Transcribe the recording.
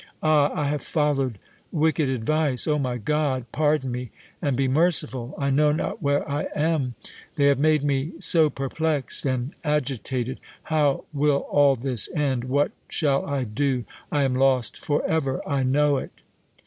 Ah! I have followed wicked advice! O my God! pardon me, and be merciful. I know not where I am, they have made me so perplexed and agitated. How will all this end! What shall I do? I am lost for ever! I know it.'